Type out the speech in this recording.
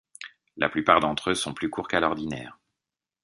La plupart d'entre eux sont plus courts qu'à l'ordinaire.